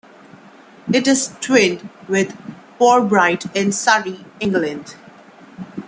It is twinned with Pirbright in Surrey, England.